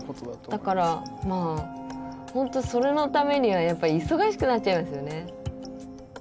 だからまあほんとそれのためにはやっぱり忙しくなっちゃいますよね。